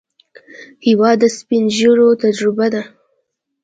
هېواد د سپینږیرو تجربه ده.